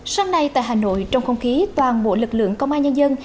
sáng nay tại hà nội trong không khí toàn bộ lực lượng công an nhân dân